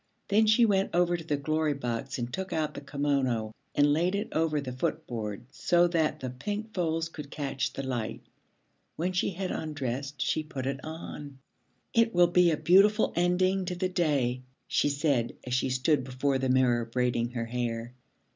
Then she went over to the Glory Box and took out the kimono and laid it over the footboard so that the pink folds could catch the light. When she had undressed, she put it on. 'It will be a beautiful ending to the day,' she said, as she stood before the mirror braiding her hair.